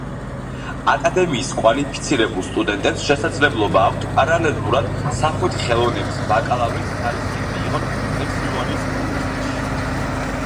აკადემიის კვალიფიცირებულ სტუდენტებს შესაძლებლობა აქვთ პარალელურად სახვითი ხელოვნების ბაკალავრის ხარისხი მიიღონ პენსილვანიის უნივერსიტეტში.